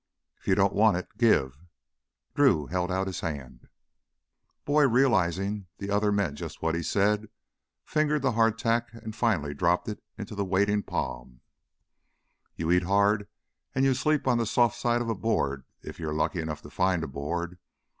"If you don't want it give!" Drew held out his hand. Boyd, realizing the other meant just what he said, fingered the hardtack and finally dropped it into that waiting palm. "You eat hard and you sleep on the soft side of a board if you're lucky enough to find a board.